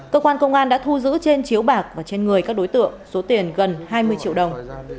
cơ quan công an đã thu giữ trên chiếu bạc và trên người các đối tượng số tiền gần hai mươi triệu đồng